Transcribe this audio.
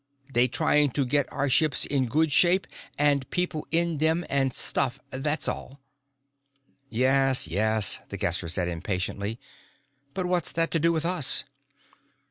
They trying to get our ships in good shape, and people in them and stuff, that's all." "Yes, yes," The Guesser had said impatiently, "but what's that to do with us?"